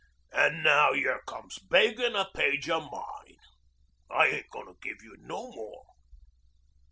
An' now you comes beggin' a page o' mine. I ain't goin' to give no more.